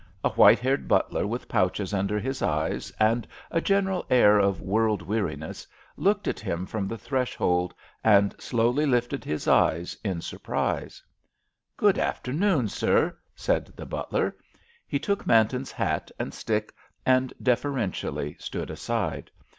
A white haired butler, with pouches under his eyes, and a general air of world weariness, looked at him from the threshold, and slowly lifted his eyes in surprise. "Good afternoon, sir," said the butler. He took Manton's hat and stick, and deferentially stood aside.